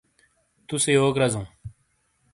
تُوسے یوک رَزَوں؟